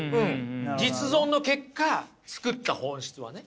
実存の結果作った本質はね。